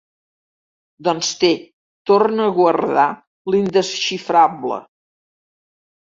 Doncs té, torna a guardar l'indesxifrable.